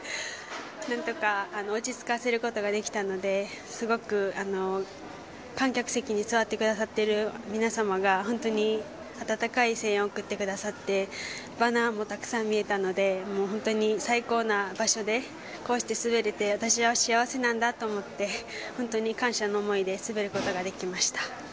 何とか落ち着かせることができたのですごく観客席に座ってくださっている皆様が本当に温かい声援を送ってくださってバナーもたくさん見えたので本当に最高な場所で滑ることができて私は幸せなんだと思って本当に感謝の思いで滑ることができました。